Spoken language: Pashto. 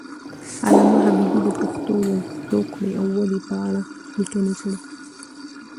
علامه حبیبي د پښتو د زوکړې او ودې په اړه لیکنې کړي دي.